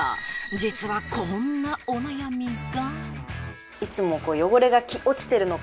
実はこんなお悩みが。